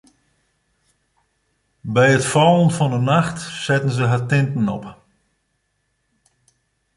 By it fallen fan 'e nacht setten se har tinten op.